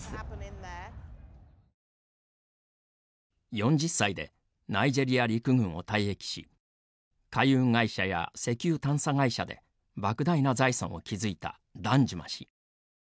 ４０歳でナイジェリア陸軍を退役し海運会社や石油探査会社でばく大な財産を築いたダンジュマ氏。